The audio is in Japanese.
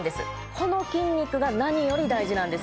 この筋肉が何より大事なんです